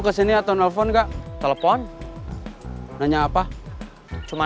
kamu jangan ngodain perempuan lagi